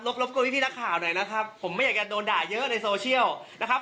รบกวนพี่นักข่าวหน่อยนะครับผมไม่อยากจะโดนด่าเยอะในโซเชียลนะครับ